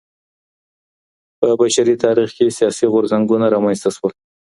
په بشري تاريخ کي سياسي غورځنګونه رامنځته سول.